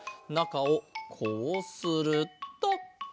なかをこうすると。